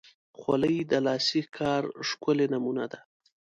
خولۍ د لاسي کار ښکلی نمونه ده.